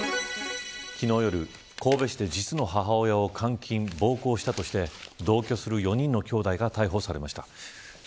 昨日夜、神戸市で実の母親を監禁、暴行したとして同居する４人のきょうだいが逮捕されました。